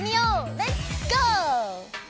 レッツゴー！